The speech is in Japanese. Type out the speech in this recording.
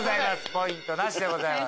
ポイントなしでございます。